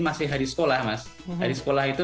masih hari sekolah mas hari sekolah itu